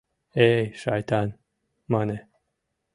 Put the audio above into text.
— Эй, шайтан! — мане.